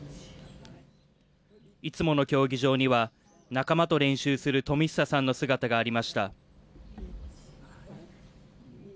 いつもの競技場には仲間と練習する冨久さんの姿がありました